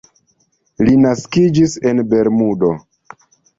Li naskiĝis en Bermudo.